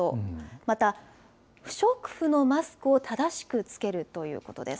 また、不織布のマスクを正しく着けるということです。